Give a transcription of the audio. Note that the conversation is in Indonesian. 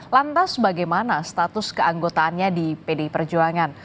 lantas bagaimana status keanggotaannya di pdi perjuangan